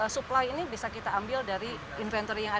supply ini bisa kita ambil dari inventory yang ada